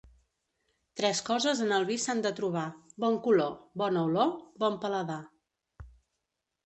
Tres coses en el vi s'han de trobar: bon color, bona olor, bon paladar.